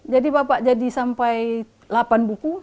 jadi bapak jadi sampai delapan buku